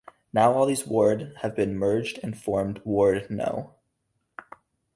Now all these ward have been merged and formed ward no.